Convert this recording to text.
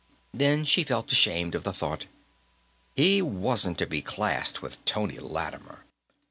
Then she felt ashamed of the thought. He wasn't to be classed with Tony Lattimer.